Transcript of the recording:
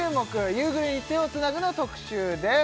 「夕暮れに、手をつなぐ」の特集です